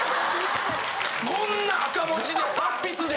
こんな赤文字で達筆で。